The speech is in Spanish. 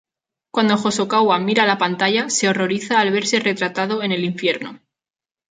Cuando Hosokawa mira la pantalla, se horroriza al verse retratado en el infierno.